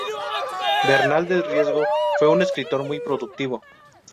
Bernal del Riesgo fue un escritor muy productivo.